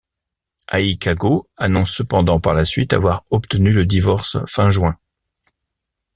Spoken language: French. Ai Kago annonce cependant par la suite avoir obtenu le divorce fin juin.